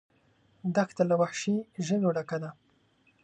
دښته له وحشي ژویو ډکه ده.